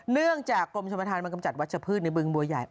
เนื่องจากกรมชมธานมากำจัดวัชพืชในบึงบัวใหญ่